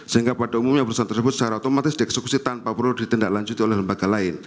sehingga pada umumnya perusahaan tersebut secara otomatis dieksekusi tanpa perlu ditindaklanjuti oleh lembaga lain